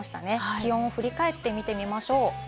気温を振り返ってみましょう。